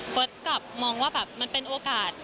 ฟ้ากลับมองว่ามันเป็นโอกาส